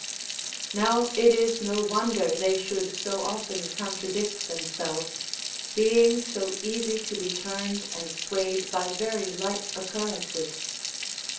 Now it is no wonder they should so often contradict themselves, being so easy to be turned and swayed by very light occurrences.